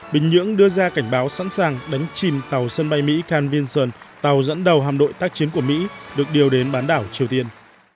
bình nhưỡng đưa ra cảnh báo sẵn sàng đánh chìm tàu sân bay mỹ kim in sung tàu dẫn đầu hạm đội tác chiến của mỹ được điều đến bán đảo triều tiên